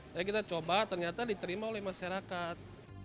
jadi kita coba ternyata diterima oleh masyarakat